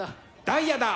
ダイヤだ。